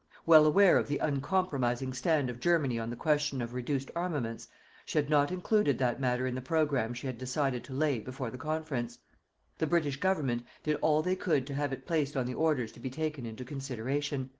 Well aware of the uncompromising stand of Germany on the question of reduced armaments, she had not included that matter in the program she had decided to lay before the Conference. The British Government did all they could to have it placed on the orders to be taken into consideration.